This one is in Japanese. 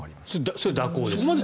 それは蛇行ですか？